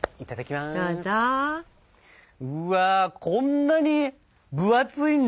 うわこんなに分厚いんだ！